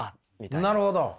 なるほど。